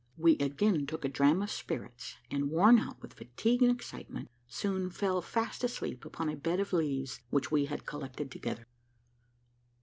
We again took a dram of spirits, and, worn out with fatigue and excitement, soon fell last asleep upon a bed of leaves which we had collected together.